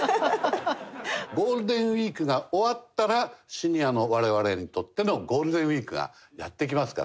ゴールデンウィークが終わったらシニアの我々にとってのゴールデンウィークがやって来ますからね。